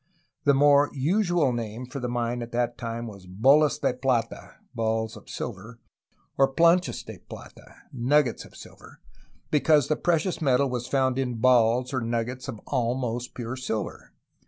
The more usual name for the mine at that time was Bolas de Plata (Balls of Silver), or Planchas de Plata (Nuggets of Silver), because the pre cious metal was found in balls, or nuggets, of almost pure silver.